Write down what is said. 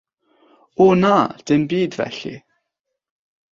O, na, dim byd felly!